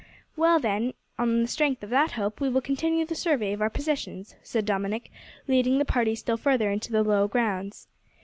"Well, then, on the strength of that hope we will continue the survey of our possessions," said Dominick, leading the party still further into the low grounds.